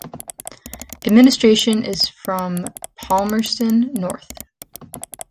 Administration is from Palmerston North.